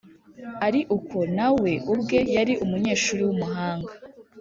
ari uko na we ubwe yari umunyeshuri w’umuhanga